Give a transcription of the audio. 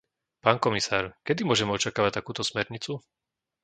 Pán komisár, kedy môžeme očakávať takúto smernicu?